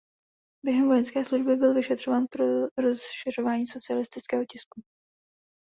Během vojenské služby byl vyšetřován pro rozšiřování socialistického tisku.